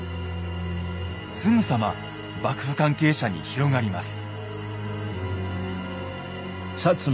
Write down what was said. すぐさま幕府関係者に広がります。